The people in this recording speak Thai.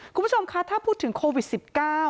คุณผู้ชมคะถ้าพูดถึงโควิด๑๙